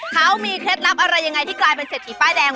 เขามีเคล็ดลับอะไรยังไงที่กลายเป็นเศรษฐีป้ายแดง